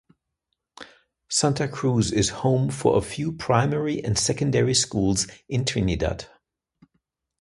Santa Cruz is home for a few Primary and Secondary Schools in Trinidad.